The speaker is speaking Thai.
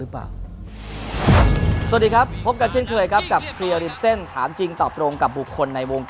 ไปถึงจุดนั้นได้